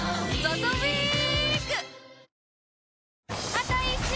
あと１周！